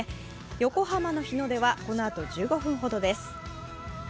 横浜の日の出はこのあと１５分ほどです。